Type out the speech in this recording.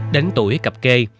đến tuổi cặp kê